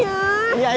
iya iya tunggu tunggu